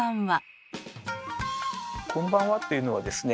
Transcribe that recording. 「こんばんは」というのはですね